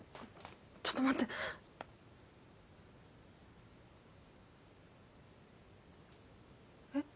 ちょっと待ってえっ？